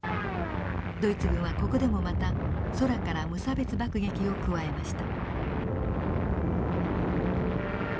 ドイツ軍はここでもまた空から無差別爆撃を加えました。